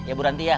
ya bu rantia